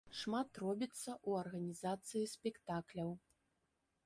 Шмат робіцца ў арганізацыі спектакляў.